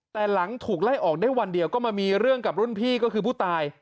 แต่หลังถูกไล่ออกได้วันเดียวก็มามีเรื่องกับรุ่นพี่ก็คือผู้ตาย